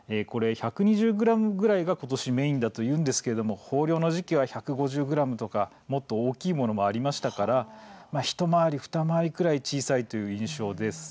１２０ｇぐらいがことしメインだというんですが豊漁の時期には１５０ｇとかもっと大きいものもありましたから、一回り二回りくらい小さいという印象です。